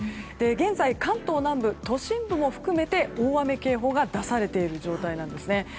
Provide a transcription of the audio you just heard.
現在、関東南部都心部も含めて大雨警報が出されている状態なんですね。